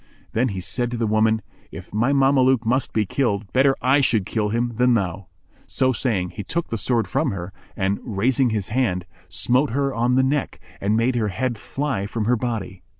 Then he said to the woman, "If my Mameluke must be killed, better I should kill him than thou." So saying, he took the sword from her and, raising his hand, smote her on the neck and made her head fly from her body.